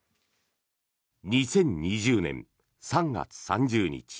２０２０年３月３０日。